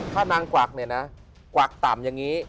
ถ้านางกวักเนี่ยนะกวักต่ำอย่างนี้